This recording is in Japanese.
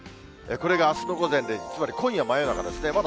これがあすの午前０時、つまり今夜真夜中ですね。